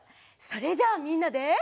それじゃあみんなで。